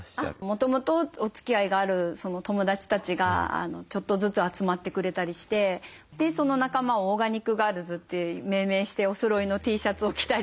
もともとおつきあいがある友達たちがちょっとずつ集まってくれたりしてその仲間を「オーガニックガールズ」って命名しておそろいのＴシャツを着たり。